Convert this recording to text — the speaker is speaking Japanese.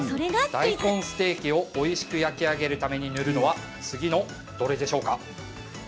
大根ステーキをおいしく焼き上げるために塗るのは次のどれでしょうか？